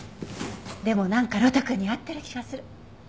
でもなんか呂太くんに合ってる気がする。